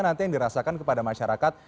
nanti yang dirasakan kepada masyarakat